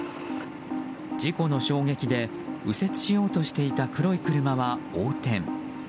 事故の衝撃で右折しようとしていた黒い車は横転。